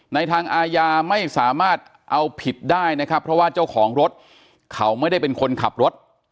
ทางอาญาไม่สามารถเอาผิดได้นะครับเพราะว่าเจ้าของรถเขาไม่ได้เป็นคนขับรถ